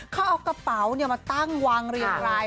เขาเอากระเป๋ามาตั้งวางเรียงราย